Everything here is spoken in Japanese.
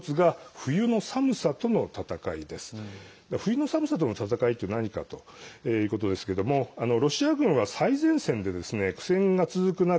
冬の寒さとの戦いって何かということですけどもロシア軍は最前線で苦戦が続く中